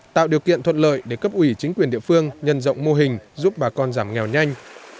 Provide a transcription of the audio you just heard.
tạo điều kiện thuận lợi để cấp ủy chính quyền địa phương nhân rộng mô hình giúp bà con giảm nghèo nhanh